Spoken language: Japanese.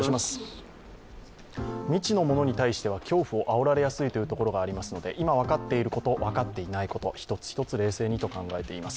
未知のものに対しては恐怖をあおられやすいということがありますので今分かっていること、分かっていないこと、１つ１つ冷静にと考えています。